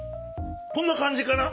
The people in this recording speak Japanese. こんなかんじかな？